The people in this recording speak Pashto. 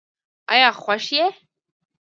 آیا خوښ یې؟